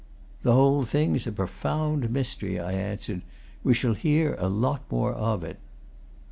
"The whole thing's a profound mystery," I answered. "We shall hear a lot more of it."